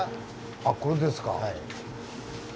あっこれですか。